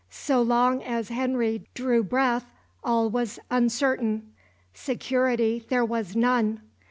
So long as Henry drew breath all was uncertain; security there was none.